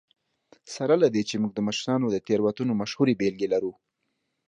سره له دې چې موږ د مشرانو د تېروتنو مشهورې بېلګې لرو.